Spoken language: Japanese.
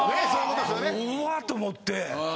こわと思って。